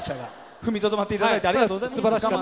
踏みとどまっていただいてありがとうございます。